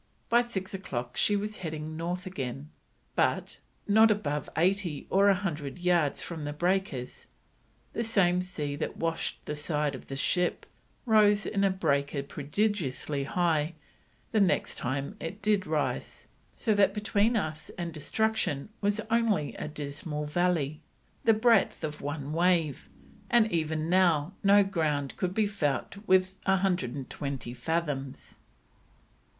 By six o'clock she was heading north again, but: "not above 80 or 100 yards from the breakers. The same sea that washed the side of the ship rose in a breaker prodigiously high the very next time it did rise, so that between us and destruction was only a dismal valley, the breadth of one wave, and even now no ground could be felt with 120 fathoms."